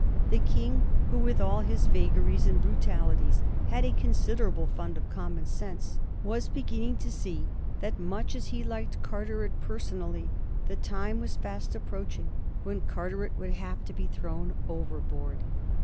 The King, who, with all his vagaries and brutalities, had a considerable fund of common sense, was beginning to see that, much as he liked Carteret person ally, the time was fast approaching when Carteret would have to be thrown overboard.